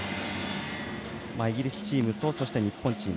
イギリスチームと日本チーム。